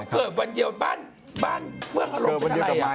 เกิดวันเดียวบ้านเฟืองอลงเป็นอะไร